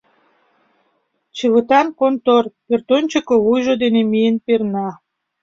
Чывытан контор, пӧртӧнчыкӧ вуйжо дене миен перна.